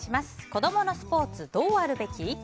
子供のスポーツどうあるべき？